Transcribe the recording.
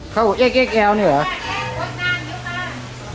เขาแยกแยกแยวเนี่ยเหรอ